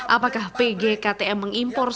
apakah pgktm mengimpor susu